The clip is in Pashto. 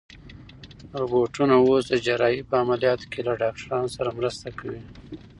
روبوټونه اوس د جراحۍ په عملیاتو کې له ډاکټرانو سره مرسته کوي.